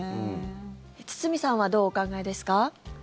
堤さんはどうお考えですか？